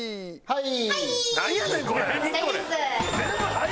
はい。